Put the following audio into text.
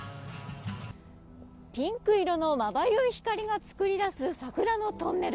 ピンク色のまばゆい光が作り出す桜のトンネル。